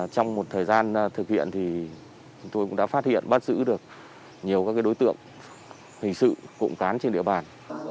trong một thời gian thực hiện thì chúng tôi cũng đã phát hiện bắt giữ được nhiều các đối tượng hình sự cộng cán trên địa bàn